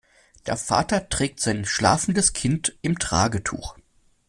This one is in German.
Der Vater trägt sein schlafendes Kind im Tragetuch.